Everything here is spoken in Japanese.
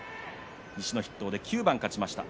西の筆頭で９番勝ちました。